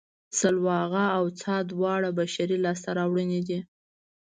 سلواغه او څا دواړه بشري لاسته راوړنې دي